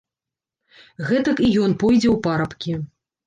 Гэтак і ён пойдзе ў парабкі.